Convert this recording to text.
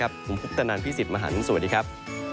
ผมพุทธนันทร์พี่สิทธิ์มหานุสุดีครับ